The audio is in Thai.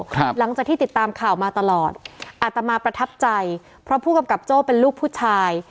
หลังจากที่ติดตามข่าวมาตลอดอาตมาประทับใจเพราะผู้กำกับโจ้เป็นลูกผู้ชาย